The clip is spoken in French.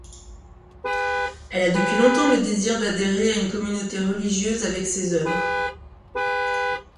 Elle a depuis longtemps le désir d'adhérer à une communauté religieuse avec ses œuvres.